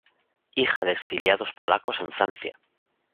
Hija de exiliados polacos en Francia.